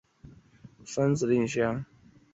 被衣山蛭为石蛭科石蛭属的动物。